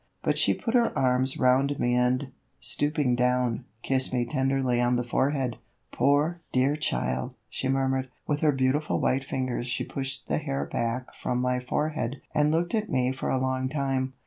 But she put her arms round me and, stooping down, kissed me tenderly on the forehead. "Poor, dear child," she murmured. With her beautiful white fingers she pushed the hair back from my forehead and looked at me for a long time.